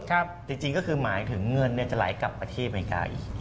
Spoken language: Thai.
จริงก็คือหมายถึงเงินจะไหลกลับประเทศอเมริกาอีก